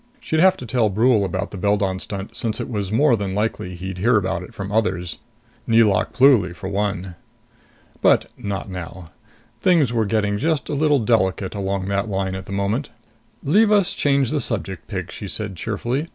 She'd have to tell Brule about the Beldon stunt, since it was more than likely he'd hear about it from others Nelauk Pluly, for one. But not now. Things were getting just a little delicate along that line at the moment. "Leave us change the subject, pig," she said cheerfully.